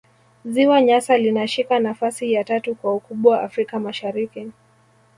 ziwa nyasa linashika nafasi ya tatu kwa ukubwa afrika mashariki